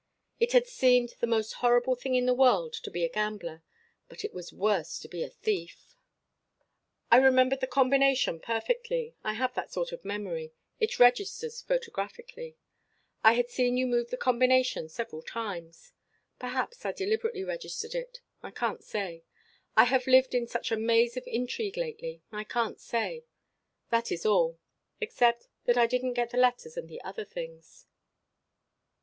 It had seemed the most horrible thing in the world to be a gambler, but it was worse to be a thief. "I remembered the combination perfectly. I have that sort of memory: it registers photographically. I had seen you move the combination several times. Perhaps I deliberately registered it. I can't say. I have lived in such a maze of intrigue lately. I can't say. That is all except that I didn't get the letters and the other things."